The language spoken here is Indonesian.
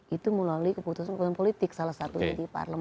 itu melalui keputusan politik salah satu di parlement